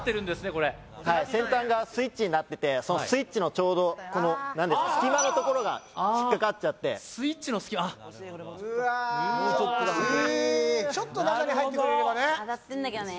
これ先端がスイッチになっててそのスイッチのちょうど隙間のところが引っかかってスイッチの隙間あっうわーちょっと中に入ってくれればね